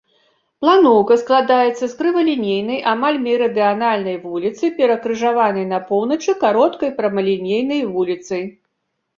Планоўка складаецца з крывалінейнай амаль мерыдыянальнай вуліцы, перакрыжаванай на поўначы кароткай прамалінейнай вуліцай.